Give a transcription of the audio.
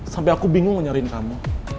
sampai aku bingung nyariin kamu